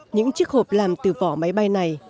những chiếc hộp làm từ vỏ máy bay này